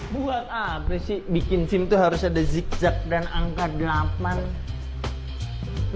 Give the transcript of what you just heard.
buat apa sih bikin sim itu harus ada zigzag dan angka delapan